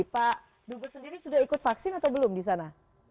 pak dubes sendiri sudah ikut vaksin atau belum di sana